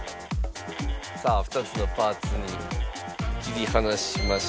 さあ２つのパーツに切り離しました。